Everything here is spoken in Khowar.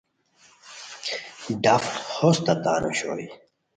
ڈف ہوستہ تان اوشوئے